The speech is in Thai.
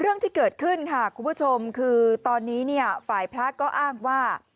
เรื่องที่เกิดขึ้นค่ะคุณผู้ชมคือตอนนี้เนี่ยฝ่ายพระก็อ้างว่า